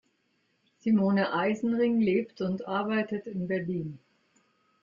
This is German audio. Simone Eisenring lebt und arbeitet in Berlin.